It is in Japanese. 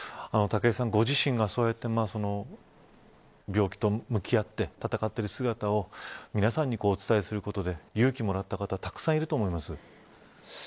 武井さん、ご自身が病気と向き合って闘っている姿を皆さんにお伝えすることで勇気をもらった方たくさんいると思います。